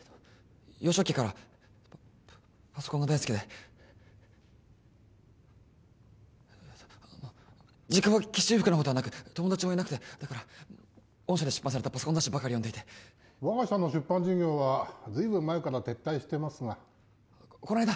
幼少期からパパソコンが大好きであの実家は決して裕福なほうではなく友達もいなくてだから御社で出版されたパソコン雑誌ばかり読んでいて我が社の出版事業は随分前から撤退してますがこないだ